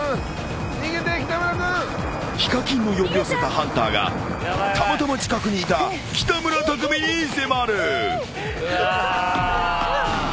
［ＨＩＫＡＫＩＮの呼び寄せたハンターがたまたま近くにいた北村匠海に迫る］